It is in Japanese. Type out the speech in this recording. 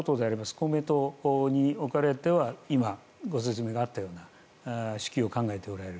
公明党におかれては今、ご説明があったように支給を考えておられる。